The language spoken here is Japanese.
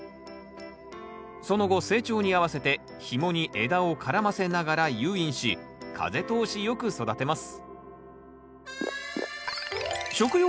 その後成長に合わせてひもに枝を絡ませながら誘引し風通しよく育てます